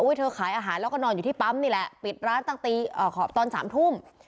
อุ๊ยเธอขายอาหารแล้วก็นอนอยู่ที่ปั๊มนี่แหละปิดร้านตั้งตีอ่าขอบตอนสามทุ่ม